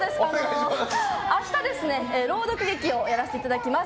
明日、朗読劇をやらせていただきます。